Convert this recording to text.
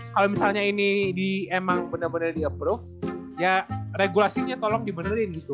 kalo misalnya ini emang bener bener di approve ya regulasinya tolong dibenerin gitu